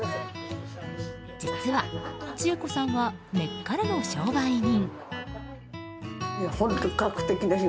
実は千恵子さんは根っからの商売人。